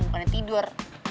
bukan yang tidur